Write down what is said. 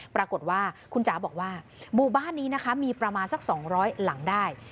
ปรากฏว่าคุณจ๋าบอกว่าหมู่บ้านนี้นะคะมีประมาณสัก๒๐๐หลังได้